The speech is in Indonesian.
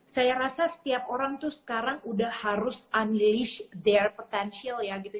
saya rasa setiap orang tuh sekarang udah harus unleash their potential ya gitu